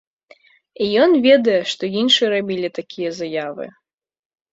І ён ведае, што іншыя рабілі такія заявы.